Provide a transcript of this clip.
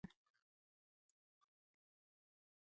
په پانګوالي نظام کې اساسي تضاد د تولید ټولنیزه بڼه ده